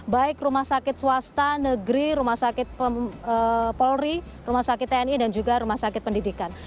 baik rumah sakit swasta negeri rumah sakit polri rumah sakit tni dan juga rumah sakit pendidikan